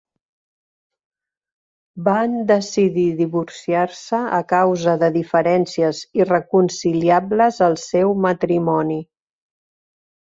Van decidir divorciar-se a causa de diferències irreconciliables al seu matrimoni.